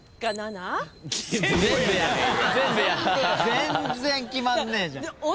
全然決まんねえじゃん。